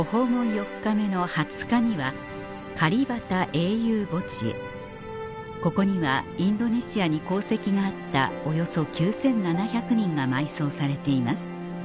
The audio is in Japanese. ４日目の２０日にはここにはインドネシアに功績があったおよそ９７００人が埋葬されています